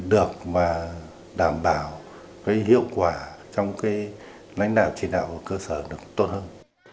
được mà đảm bảo cái hiệu quả trong cái lãnh đạo chỉ đạo của cơ sở được tốt hơn